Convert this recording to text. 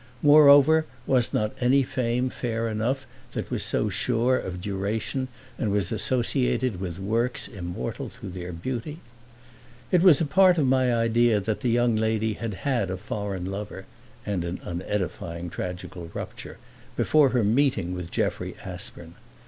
Moreover was not any fame fair enough that was so sure of duration and was associated with works immortal through their beauty? It was a part of my idea that the young lady had had a foreign lover (and an unedifying tragical rupture) before her meeting with Jeffrey Aspern.